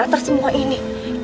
atas semua ini